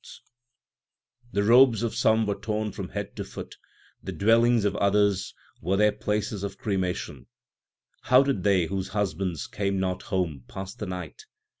I 2 ii6 THE SIKH RELIGION The robes of some were torn from head to foot ; the dwellings of others were their places of cremation. How did they whose husbands came not home pass the night